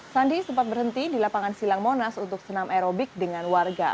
sandi sempat berhenti di lapangan silang monas untuk senam aerobik dengan warga